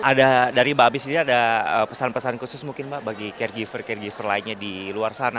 ada dari mbak abi sendiri ada pesan pesan khusus mungkin mbak bagi caregiver caregiver lainnya di luar sana